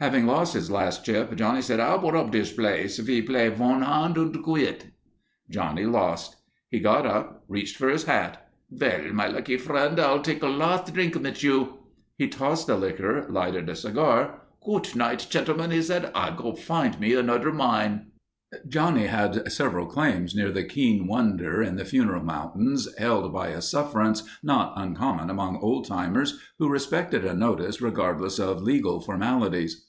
Having lost his last chip, Johnny said, "I'll put up dis place. Ve play vun hand and quit." Johnny lost. He got up, reached for his hat. "Vell, my lucky friend, I'll take a last drink mit you." He tossed the liquor, lighted a cigar. "Goodnight, chentlemen," he said. "I go find me anudder mine." Johnny had several claims near the Keane Wonder in the Funeral Mountains, held by a sufferance not uncommon among old timers, who respected a notice regardless of legal formalities.